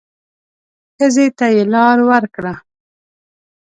ښځې ته يې لار ورکړه.